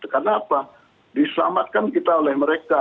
karena apa diselamatkan kita oleh mereka